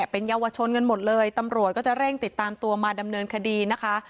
เป็นเยาวชนกันหมดเลยตำรวจก็จะเร่งติดตามตัวมาดำเนินคดีนะคะ